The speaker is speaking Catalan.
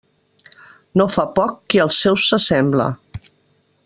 No fa poc qui als seus se sembla.